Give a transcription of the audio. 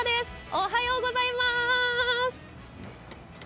おはようございます。